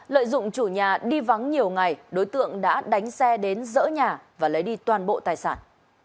lợi dụng chủ nhà đi vắng nhiều ngày đối tượng đã đánh xe đến dỡ nhà và lấy đi toàn bộ tài sản